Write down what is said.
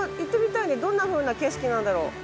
どんなふうな景色なんだろう？